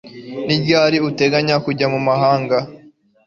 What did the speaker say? Ni ryari uteganya kujya mu mahanga